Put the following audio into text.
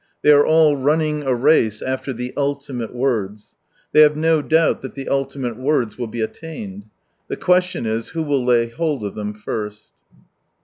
They are all running a race after the " ultimate words." Thfey have no doubt that the ultimate words will be attained. The question is, who will lay hold of them first.